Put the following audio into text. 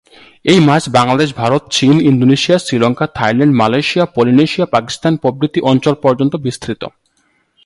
এই মাছ বাংলাদেশ, ভারত, চীন, Indonesia, Sri Lanka, Thailand, Malaysia, Polynesia, Pakistan প্রভৃতি অঞ্চল পর্যন্ত বিস্তৃত।